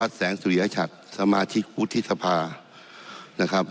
พระสังฆ์สุริยชัตริย์สมาธิพุทธศพา